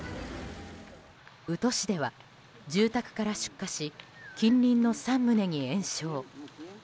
宇土市では、住宅から出火し近隣の３棟に延焼。